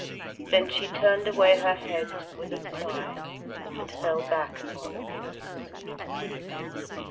Then she turned away her head with a sigh and fell back upon the pillows.